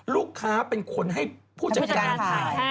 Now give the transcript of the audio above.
ลูกค้าเป็นคนให้ผู้จัดการขาย